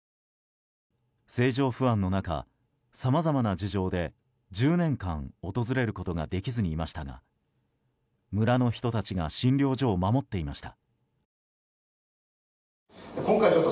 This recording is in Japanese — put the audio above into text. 政情不安の中さまざまな事情で１０年間訪れることができずにいましたが村の人たちが診療所を守っていました。